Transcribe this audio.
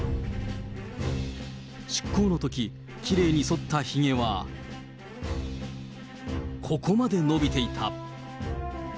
出港のとき、きれいにそったひげは、ここまで伸びていた。